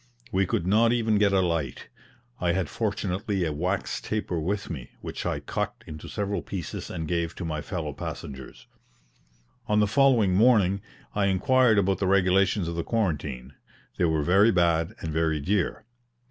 We could not even get a light. I had fortunately a wax taper with me, which I cut into several pieces and gave to my fellow passengers. On the following morning I inquired about the regulations of the quarantine they were very bad and very dear.